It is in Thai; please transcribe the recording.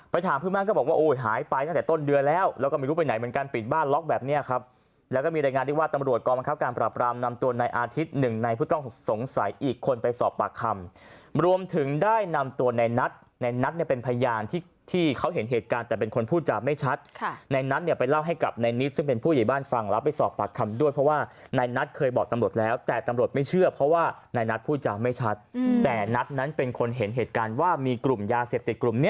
ไปถามผู้มาก็บอกว่าหายไปตั้งแต่ต้นเดือนแล้วแล้วก็ไม่รู้ไปไหนเหมือนกันปิดบ้านล็อคแบบเนี่ยครับแล้วก็มีรายงานที่ว่าตำรวจกรมคับการปรับรามนำตัวในอาทิตย์๑ในผู้ต้องสงสัยอีกคนไปสอบปากคำรวมถึงได้นำตัวในนัทในนัทเนี่ยเป็นพยานที่เขาเห็นเหตุการณ์แต่เป็นคนพูดจากไม่ชัดในนัทเนี่ยไปเล่าให้กับ